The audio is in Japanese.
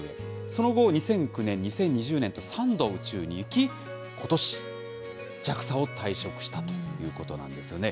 その後、２００９年、２０２０年と３度宇宙に行き、ことし、ＪＡＸＡを退職したということなんですよね。